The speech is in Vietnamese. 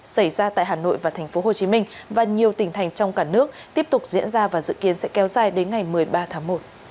xảy ra tại hà nội và thành phố hồ chí minh và nhiều tình thành trong cả nước tiếp tục diễn ra và dự kiến sẽ kéo dài đến ngày một mươi ba tháng một